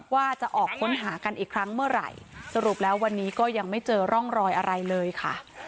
ว่าจะออกค้นหากันอีกครั้งเมื่อไหร่สรุปแล้ววันนี้ก็ยังไม่เจอร่องรอยอะไรเลยค่ะ